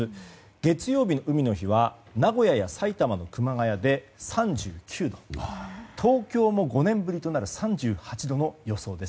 月曜日、海の日は名古屋や埼玉の熊谷で３９度東京も５年ぶりとなる３８度の予想です。